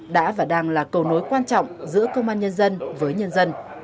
đã và đang là cầu nối quan trọng giữa công an nhân dân với nhân dân